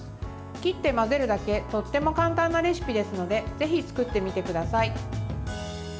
切って混ぜるだけとっても簡単なレシピですのでぜひ作ってみてください。